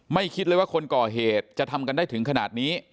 คิดเลยว่าคนก่อเหตุจะทำกันได้ถึงขนาดนี้